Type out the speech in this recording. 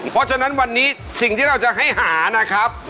เพราะฉะนั้นวันนี้สิ่งที่เราจะให้หานะครับ